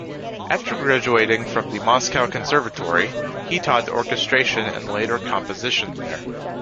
After graduating from the Moscow Conservatory, he taught orchestration and later composition there.